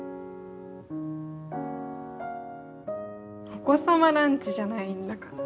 お子様ランチじゃないんだから。